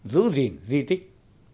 giữ gìn di tích